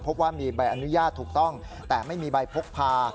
พบว่ามีใบอนุญาตถูกต้องแต่ไม่มีใบพกพา